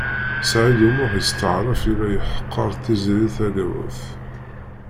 Saɛid U Muḥ yesṭeɛref yella yeḥqer Tiziri Tagawawt.